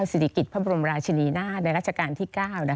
ศิริกิจพระบรมราชินีนาฏในราชการที่๙